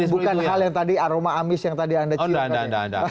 bukan hal yang tadi aroma amis yang tadi anda ciumkan